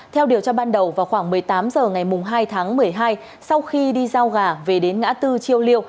theo điều tra ban đầu vào khoảng một mươi tám h ngày hai tháng một mươi hai sau khi đi giao gà về đến ngã tư chiêu liêu